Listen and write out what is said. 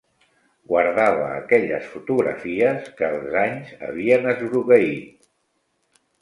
Guardava aquelles fotografies que els anys havien esgrogueït.